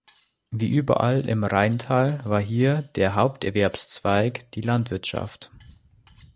Wie überall im Rheintal war hier der Haupterwerbszweig die Landwirtschaft.